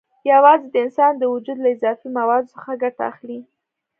یوازې د انسان د وجود له اضافي موادو څخه ګټه اخلي.